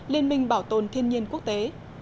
liên minh bảo tồn thiên nhiên quốc tế